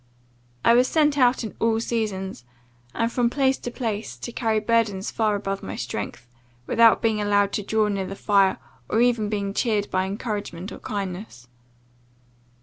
I was sent out in all seasons, and from place to place, to carry burdens far above my strength, without being allowed to draw near the fire, or ever being cheered by encouragement or kindness.